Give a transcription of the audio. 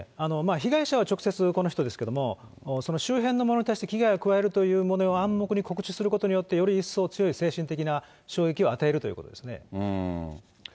被害者は直接、この人ですけれども、その周辺の、危害を加えると暗黙に告知することによって、より一層強い精神的な衝撃を与えるということですね。